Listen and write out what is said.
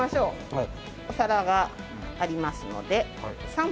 はい。